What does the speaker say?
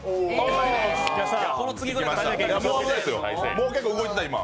もう結構、動いてた、今。